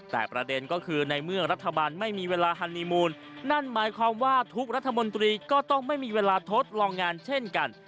แต่ประเด็นก็คือในเมื่อรัฐบาลไม่มีเวลาฮันนีมูลนั่นหมายความว่าทุกรัฐมนตรีก็ต้องไม่มีเวลาทดลองงานเช่นกัน